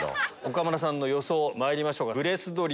岡村さんの予想まいりましょう。